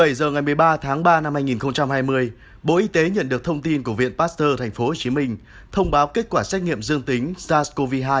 một mươi giờ ngày một mươi ba tháng ba năm hai nghìn hai mươi bộ y tế nhận được thông tin của viện pasteur tp hcm thông báo kết quả xét nghiệm dương tính sars cov hai